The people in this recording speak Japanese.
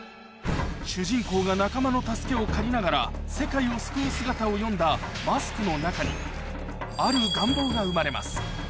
主人公が仲間の助けを借りながら世界を救う姿を読んだマスクの中にある願望が生まれます